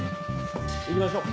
行きましょう。